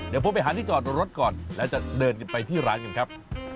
เดี๋ยวผมไปหาที่จอดรถก่อนแล้วจะเดินกันไปที่ร้านกันครับ